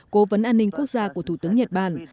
cố vấn an ninh quốc gia của thủ tướng nhật bản